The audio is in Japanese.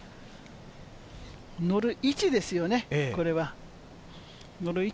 乗る位置ですよね、これは。